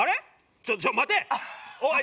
ちょっ待て！